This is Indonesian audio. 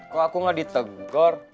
kok aku gak ditegor